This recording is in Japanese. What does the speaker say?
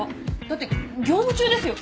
だって業務中ですよ。